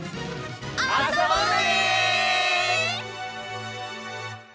あそぼうね！